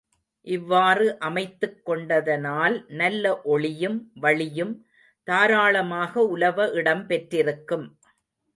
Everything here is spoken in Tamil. இவ்வாறு அமைத்துக் கொண்டதனால் நல்ல ஒளியும், வளியும் தாராளமாக உலவ இடம் பெற்றிருக்கும்.